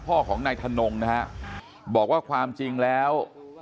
พ่อของนายธนงนะฮะบอกว่าความจริงแล้ว